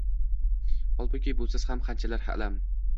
Holbuki, busiz ham qanchalar alam